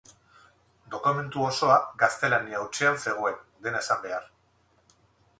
Dokumentu osoa gaztelania hutsean zegoen, dena esan behar.